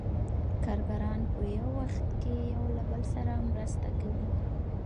کارګران په یو وخت کې یو له بل سره مرسته کوي